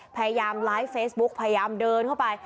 พยายามไลฟ์เฟซบุ๊กพยายามเดินเข้าไป